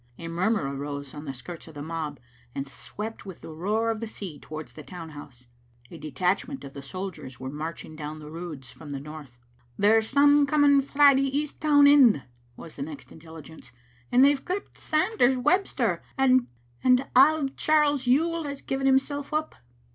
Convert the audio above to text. A murmur arose on the skirts of the mob, and swept with the roar of the sea towards the town house. A detachment of the sol diers were marching down the Roods from the north. "There's some coming frae the east town end," was the next intelligence; "and they've gripped Sanders Webster, and auld Charles Yuill has given himsel' up."